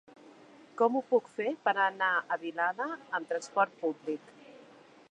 Com ho puc fer per anar a Vilada amb trasport públic?